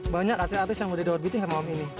banyak artis yang mudah mudahan orbiting sama om ini